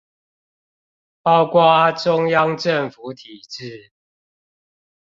包括中央政府體制